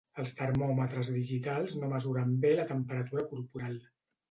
Els termòmetres digitals no mesuren bé la temperatura corporal